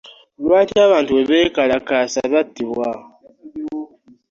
Lwaki abantu webekalakaasa battibwa?